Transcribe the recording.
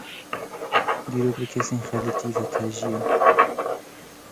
Dîrok bi kesên xelitî ve tije ye.